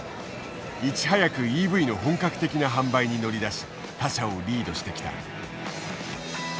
いち早くＥＶの本格的な販売に乗り出し他社をリードしてきた。